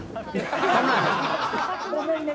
ごめんね。